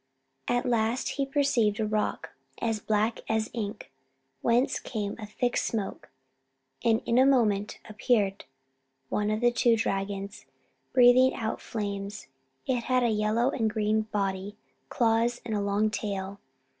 At last he perceived a rock, as black as ink, whence came a thick smoke; and in a moment appeared one of the two dragons, breathing out flames. It had a yellow and green body, claws, and a long tail.